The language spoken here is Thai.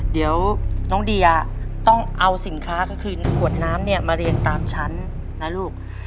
เดี๋ยวน้องเดียต้องเอาสินค้าก็คือขวดน้ำเนี่ยมาเรียนตามชั้นนะลูก